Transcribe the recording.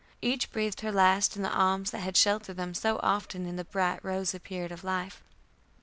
Each breathed her last in the arms that had sheltered them so often in the bright rosy period of life.